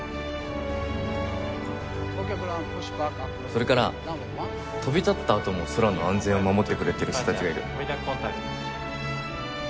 それから飛び立ったあとも空の安全を守ってくれてる人たちがいる。